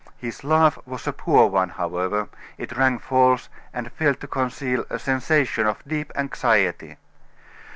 His laugh was a poor one, however; it rang false, and failed to conceal a sensation of deep anxiety.